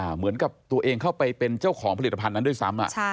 เหมือนกับตัวเองเข้าไปเป็นเจ้าของผลิตภัณฑ์นั้นด้วยซ้ำ